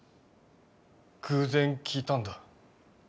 偶然聞いたんだ。